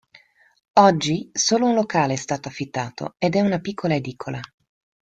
Oggi solo un locale è stato affittato ed è una piccola edicola.